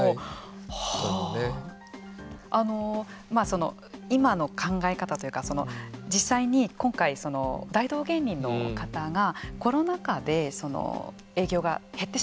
その今の考え方というか実際に今回大道芸人の方がコロナ禍で営業が減ってしまってお店を始めたと。